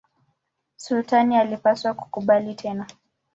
Sultani alipaswa kukubali tena.